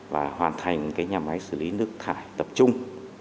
và hoàn thành nhà máy xử lý nước thải tập trung